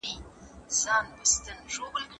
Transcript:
موږ باید د خپلي مځکي لپاره هڅه وکړو.